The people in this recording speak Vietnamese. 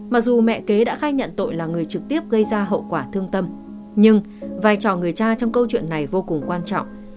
mặc dù mẹ kế đã khai nhận tội là người trực tiếp gây ra hậu quả thương tâm nhưng vai trò người cha trong câu chuyện này vô cùng quan trọng